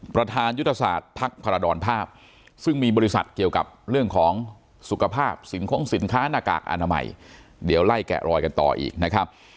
ประธานยุทธศาสตร์พักพรดรภาพซึ่งมีบริษัทเกี่ยวกับเรื่องของสุขภาพสินคงสินค้าหน้ากากอนามัยเดี๋ยวไล่แกะรอยกันต่ออีกนะครับ